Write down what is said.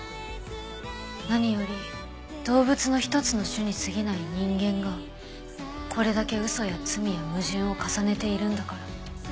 何より動物の一つの種に過ぎない人間がこれだけ嘘や罪や矛盾を重ねているんだから。